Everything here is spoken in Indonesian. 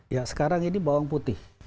ya sekarang ini bawang putih